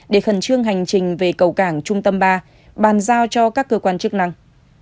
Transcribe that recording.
để khẩn trương hành trình về cầu cảng trung tâm ba bàn giao cho các cơ quan chức năng